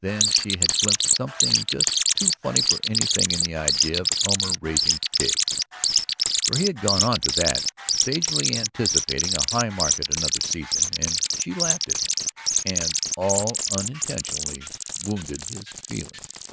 Then she had glimpsed something just too funny for anything in the idea of Elmer raising pigs ... for he had gone on to that, sagely anticipating a high market another season ... and she laughed at him and all unintentionally wounded his feelings.